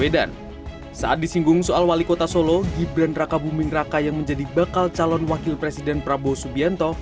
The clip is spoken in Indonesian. di kota solo gibran raka buming raka yang menjadi bakal calon wakil presiden prabowo subianto